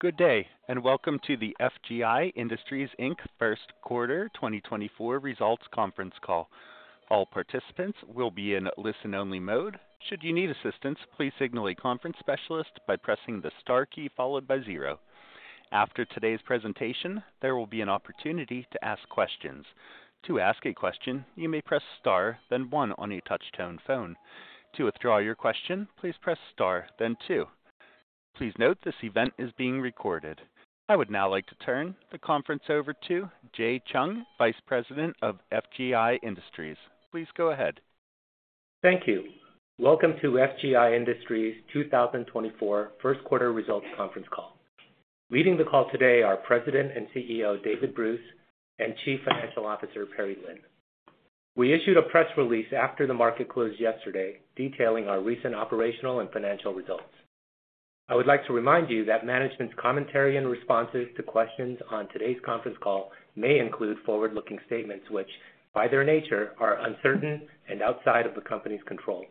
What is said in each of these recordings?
Good day and welcome to the FGI Industries Ltd. First Quarter 2024 Results Conference Call. All participants will be in listen-only mode. Should you need assistance, please signal a conference specialist by pressing the star key followed by zero. After today's presentation, there will be an opportunity to ask questions. To ask a question, you may press star, then one on your touch-tone phone. To withdraw your question, please press star, then two. Please note this event is being recorded. I would now like to turn the conference over to Jae Chung, Vice President of FGI Industries. Please go ahead. Thank you. Welcome to FGI Industries 2024 First Quarter Results Conference Call. Leading the call today are President and CEO David Bruce and Chief Financial Officer Perry Lin. We issued a press release after the market closed yesterday detailing our recent operational and financial results. I would like to remind you that management's commentary and responses to questions on today's conference call may include forward-looking statements which, by their nature, are uncertain and outside of the company's control.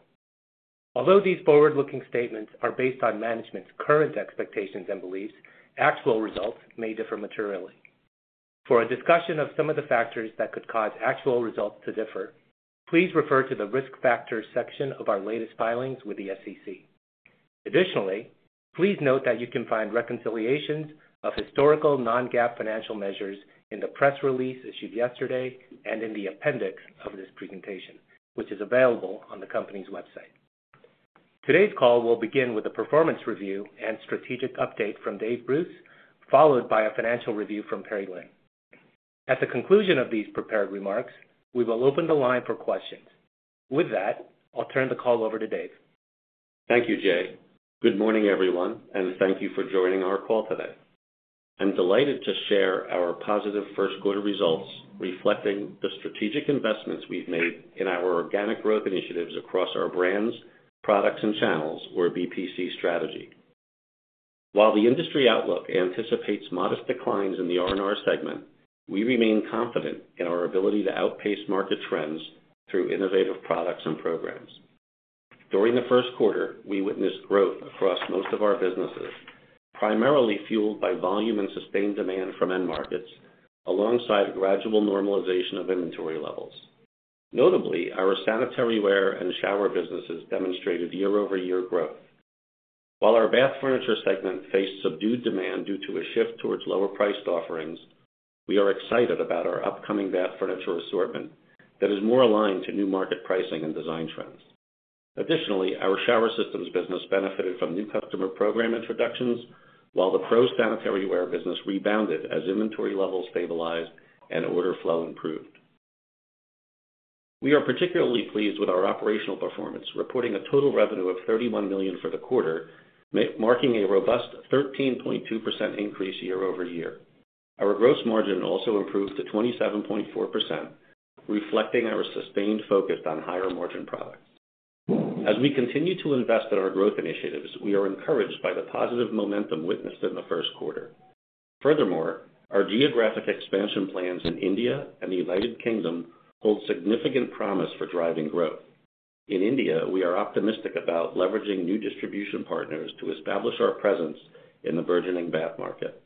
Although these forward-looking statements are based on management's current expectations and beliefs, actual results may differ materially. For a discussion of some of the factors that could cause actual results to differ, please refer to the risk factors section of our latest filings with the SEC. Additionally, please note that you can find reconciliations of historical non-GAAP financial measures in the press release issued yesterday and in the appendix of this presentation, which is available on the company's website. Today's call will begin with a performance review and strategic update from Dave Bruce, followed by a financial review from Perry Lin. At the conclusion of these prepared remarks, we will open the line for questions. With that, I'll turn the call over to Dave. Thank you, Jae. Good morning, everyone, and thank you for joining our call today. I'm delighted to share our positive first quarter results reflecting the strategic investments we've made in our organic growth initiatives across our brands, products, and channels, or BPC strategy. While the industry outlook anticipates modest declines in the R&R segment, we remain confident in our ability to outpace market trends through innovative products and programs. During the first quarter, we witnessed growth across most of our businesses, primarily fueled by volume and sustained demand from end markets alongside gradual normalization of inventory levels. Notably, our sanitaryware and shower businesses demonstrated year-over-year growth. While our bath furniture segment faced subdued demand due to a shift towards lower-priced offerings, we are excited about our upcoming bath furniture assortment that is more aligned to new market pricing and design trends. Additionally, our shower systems business benefited from new customer program introductions, while the pro-sanitaryware business rebounded as inventory levels stabilized and order flow improved. We are particularly pleased with our operational performance, reporting a total revenue of $31 million for the quarter, marking a robust 13.2% increase year-over-year. Our gross margin also improved to 27.4%, reflecting our sustained focus on higher-margin products. As we continue to invest in our growth initiatives, we are encouraged by the positive momentum witnessed in the first quarter. Furthermore, our geographic expansion plans in India and the United Kingdom hold significant promise for driving growth. In India, we are optimistic about leveraging new distribution partners to establish our presence in the burgeoning bath market.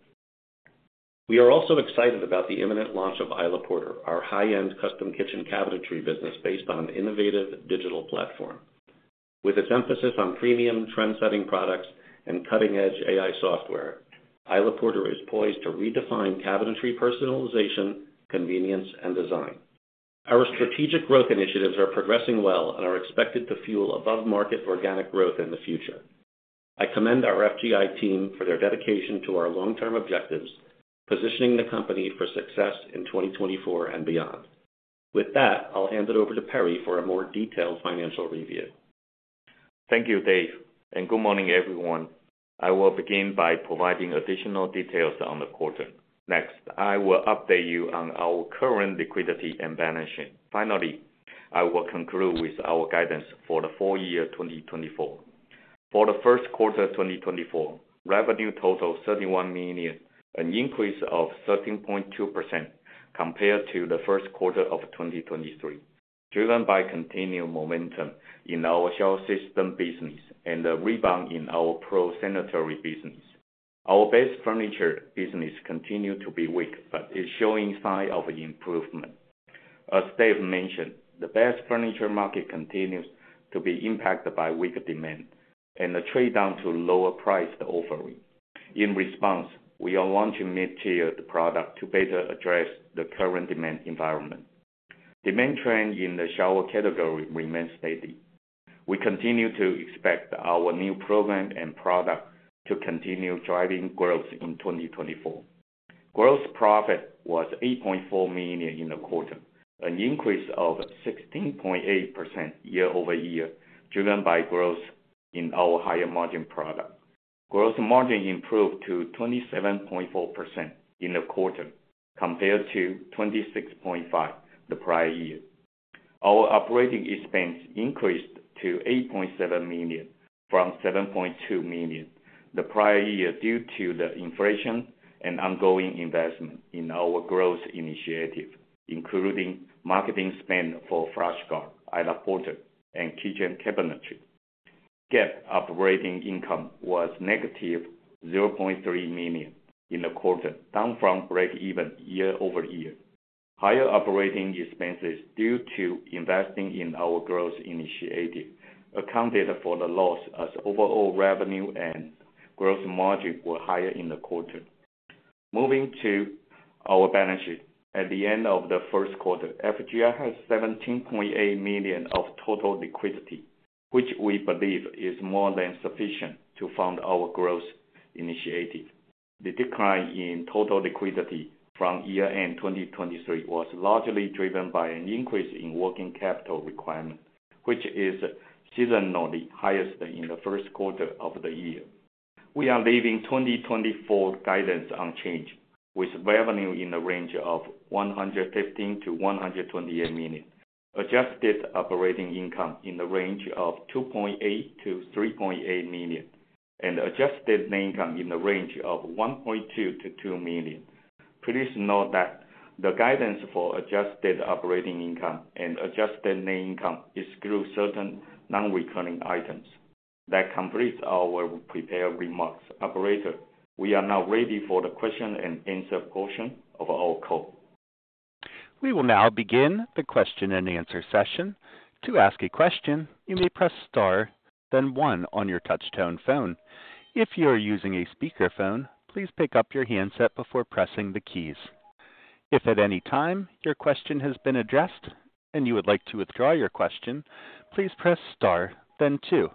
We are also excited about the imminent launch of Isla Porter, our high-end custom kitchen cabinetry business based on an innovative digital platform. With its emphasis on premium, trendsetting products, and cutting-edge AI software, Isla Porter is poised to redefine cabinetry personalization, convenience, and design. Our strategic growth initiatives are progressing well and are expected to fuel above-market organic growth in the future. I commend our FGI team for their dedication to our long-term objectives, positioning the company for success in 2024 and beyond. With that, I'll hand it over to Perry for a more detailed financial review. Thank you, Dave, and good morning, everyone. I will begin by providing additional details on the quarter. Next, I will update you on our current liquidity and balance sheet. Finally, I will conclude with our guidance for the full year 2024. For the first quarter 2024, revenue totaled $31 million, an increase of 13.2% compared to the first quarter of 2023, driven by continued momentum in our shower system business and the rebound in our pro-sanitary business. Our bath furniture business continues to be weak but is showing signs of improvement. As Dave mentioned, the bath furniture market continues to be impacted by weak demand and a trade-down to lower-priced offering. In response, we are launching mid-tiered products to better address the current demand environment. Demand trend in the shower category remains steady. We continue to expect our new program and products to continue driving growth in 2024. Gross profit was $8.4 million in the quarter, an increase of 16.8% year-over-year driven by growth in our higher-margin products. Gross margin improved to 27.4% in the quarter compared to 26.5% the prior year. Our operating expense increased to $8.7 million from $7.2 million the prior year due to the inflation and ongoing investment in our growth initiative, including marketing spend for Flush Guard, Isla Porter, and kitchen cabinetry. GAAP operating income was $-0.3 million in the quarter, down from break-even year-over-year. Higher operating expenses due to investing in our growth initiative accounted for the loss as overall revenue and gross margin were higher in the quarter. Moving to our balance sheet, at the end of the first quarter, FGI has $17.8 million of total liquidity, which we believe is more than sufficient to fund our growth initiative. The decline in total liquidity from year-end 2023 was largely driven by an increase in working capital requirement, which is seasonally highest in the first quarter of the year. We are leaving 2024 guidance unchanged, with revenue in the range of $115 million-$128 million, adjusted operating income in the range of $2.8 million-$3.8 million, and adjusted net income in the range of $1.2 million-$2 million. Please note that the guidance for adjusted operating income and adjusted net income excludes certain non-recurring items. That completes our prepared remarks. Operator, we are now ready for the question-and-answer portion of our call. We will now begin the question-and-answer session. To ask a question, you may press star, then one on your touch-tone phone. If you are using a speakerphone, please pick up your handset before pressing the keys. If at any time your question has been addressed and you would like to withdraw your question, please press star, then two.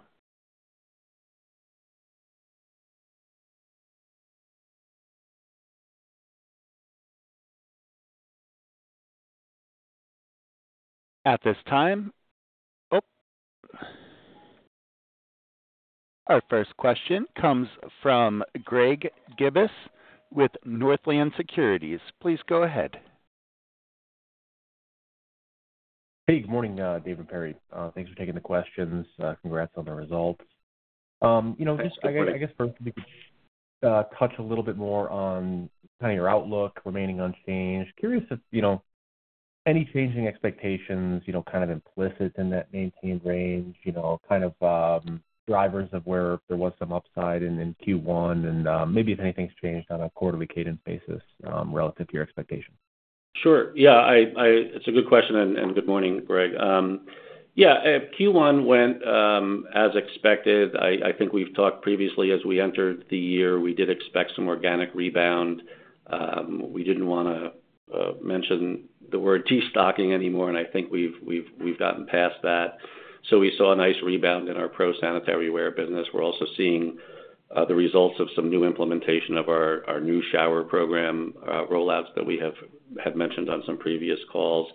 At this time. Our first question comes from Greg Gibas with Northland Securities. Please go ahead. Hey, good morning, Dave and Perry. Thanks for taking the questions. Congrats on the results. Just, I guess, first, if we could touch a little bit more on kind of your outlook remaining unchanged. Curious if any changing expectations kind of implicit in that maintained range, kind of drivers of where there was some upside in Q1 and maybe if anything's changed on a quarterly cadence basis relative to your expectations. Sure. Yeah, it's a good question and good morning, Greg. Yeah, Q1 went as expected. I think we've talked previously as we entered the year, we did expect some organic rebound. We didn't want to mention the word destocking anymore, and I think we've gotten past that. So we saw a nice rebound in our pro sanitaryware business. We're also seeing the results of some new implementation of our new shower program rollouts that we have mentioned on some previous calls.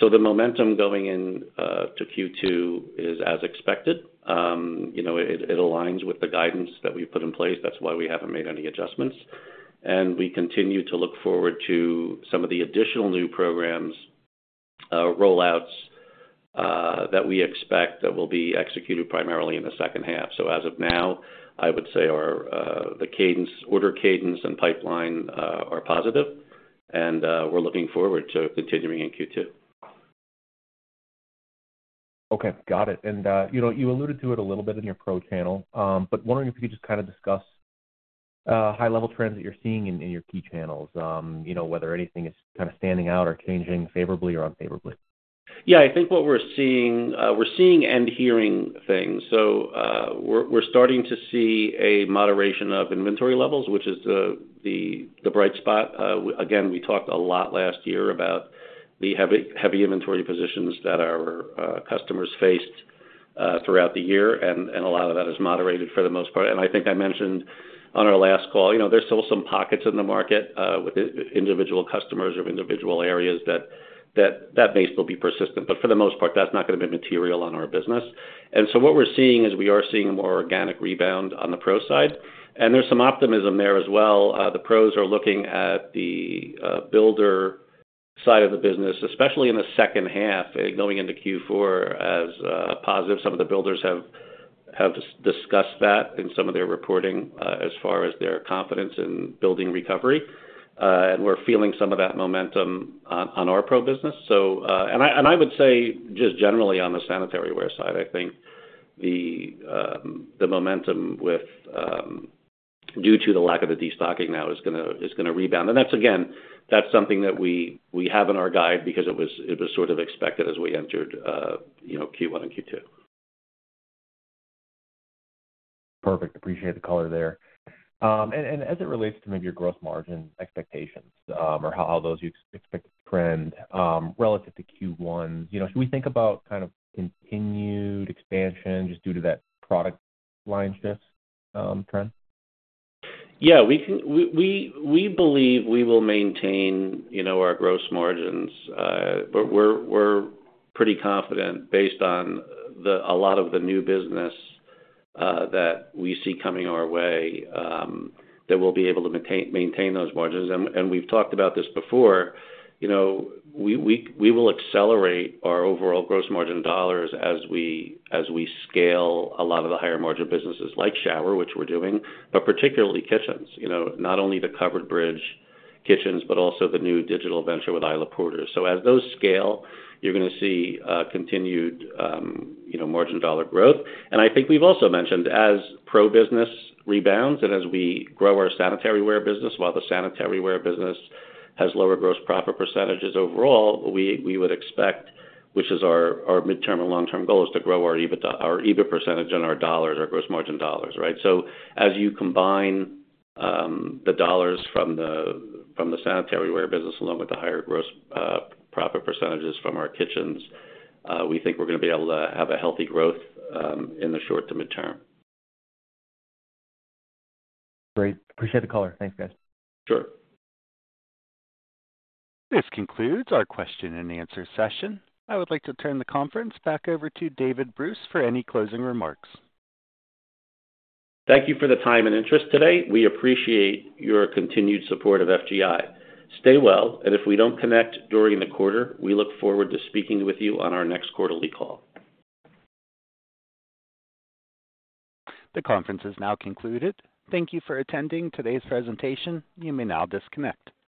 So the momentum going into Q2 is as expected. It aligns with the guidance that we've put in place. That's why we haven't made any adjustments. We continue to look forward to some of the additional new programs, rollouts that we expect that will be executed primarily in the second half. As of now, I would say the order cadence and pipeline are positive, and we're looking forward to continuing in Q2. Okay, got it. And you alluded to it a little bit in your pro channel, but wondering if you could just kind of discuss high-level trends that you're seeing in your key channels, whether anything is kind of standing out or changing favorably or unfavorably? Yeah, I think what we're seeing we're seeing and hearing things. So we're starting to see a moderation of inventory levels, which is the bright spot. Again, we talked a lot last year about the heavy inventory positions that our customers faced throughout the year, and a lot of that is moderated for the most part. And I think I mentioned on our last call, there's still some pockets in the market with individual customers or individual areas that may still be persistent. But for the most part, that's not going to be material on our business. And so what we're seeing is we are seeing a more organic rebound on the pro side. And there's some optimism there as well. The pros are looking at the builder side of the business, especially in the second half, going into Q4 as positive. Some of the builders have discussed that in some of their reporting as far as their confidence in building recovery. We're feeling some of that momentum on our pro business. I would say just generally on the sanitaryware side, I think the momentum due to the lack of the destocking now is going to rebound. Again, that's something that we have in our guide because it was sort of expected as we entered Q1 and Q2. Perfect. Appreciate the color there. As it relates to maybe your gross margin expectations or how those expect to trend relative to Q1, should we think about kind of continued expansion just due to that product line shift trend? Yeah, we believe we will maintain our gross margins. We're pretty confident based on a lot of the new business that we see coming our way that we'll be able to maintain those margins. And we've talked about this before. We will accelerate our overall gross margin dollars as we scale a lot of the higher-margin businesses like shower, which we're doing, but particularly kitchens, not only the Covered Bridge kitchens, but also the new digital venture with Isla Porter. So as those scale, you're going to see continued margin dollar growth. And I think we've also mentioned as pro business rebounds and as we grow our sanitaryware business, while the sanitaryware business has lower gross profit percentages overall, we would expect, which is our midterm and long-term goal, is to grow our EBIT percentage on our dollars, our gross margin dollars, right? So as you combine the dollars from the sanitaryware business along with the higher gross profit percentages from our kitchens, we think we're going to be able to have a healthy growth in the short to midterm. Great. Appreciate the color. Thanks, guys. Sure. This concludes our question-and-answer session. I would like to turn the conference back over to David Bruce for any closing remarks. Thank you for the time and interest today. We appreciate your continued support of FGI. Stay well, and if we don't connect during the quarter, we look forward to speaking with you on our next quarterly call. The conference is now concluded. Thank you for attending today's presentation. You may now disconnect.